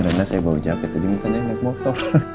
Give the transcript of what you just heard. makanya saya bawa jahe tadi minta jangan naik motor